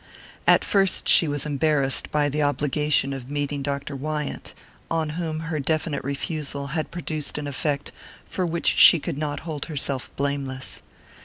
At first she was embarrassed by the obligation of meeting Dr. Wyant, on whom her definite refusal had produced an effect for which she could not hold herself blameless.